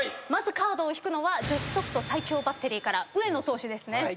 まずカードを引くのは女子ソフト最強バッテリーから上野投手ですね。